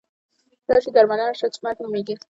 د هر شي درملنه شته چې مرګ نومېږي.